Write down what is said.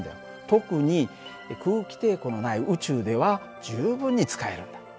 特に空気抵抗のない宇宙では十分に使えるんだ。